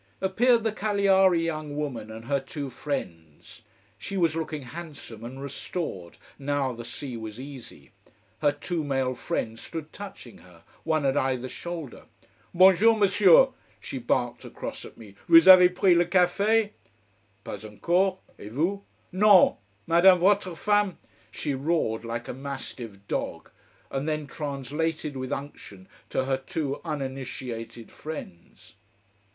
Appeared the Cagliari young woman and her two friends. She was looking handsome and restored now the sea was easy. Her two male friends stood touching her, one at either shoulder. "Bonjour, Monsieur!" she barked across at me. "Vous avez pris le café?" "Pas encore. Et vous?" "Non! Madame votre femme...." She roared like a mastiff dog: and then translated with unction to her two uninitiated friends.